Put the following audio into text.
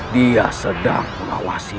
dia sedang melawasi